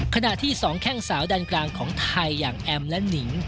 ขณะที่สองแข้งสาวดันกลางของไทยอย่างแอมและหนิง